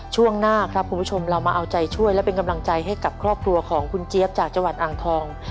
ช่วงหน้าครับคุณผู้ชมเรามาเอาใจช่วยและเป็นกำลังใจให้กับครอบครัวของคุณเจี๊ยบจากจังหวัดอ่างทอง